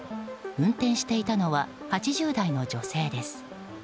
運転していたのは８０代の女性です。